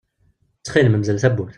Ttxil-m, mdel tawwurt!